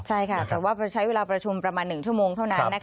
ใช่ค่ะแต่ว่าใช้เวลาประชุมประมาณ๑ชั่วโมงเท่านั้น